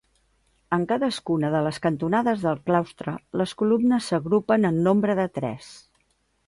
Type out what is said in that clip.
En cadascuna de les cantonades del claustre les columnes s'agrupen en nombre de tres.